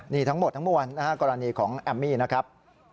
นี่ทั้งหมดทั้งมวลนะฮะกรณีของแอมมี่นะครับ